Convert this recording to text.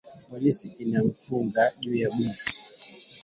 Polisi inamufunga juya bwizi